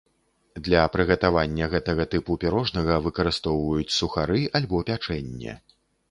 Для прыгатавання гэтага тыпу пірожнага выкарыстоўваюць сухары альбо пячэнне.